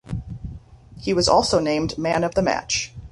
He was also named man of the match.